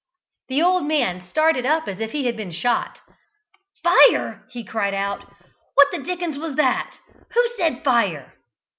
The old man started up as if he had been shot. "Fire!" he cried out; "what the dickens was that? Who said fire?"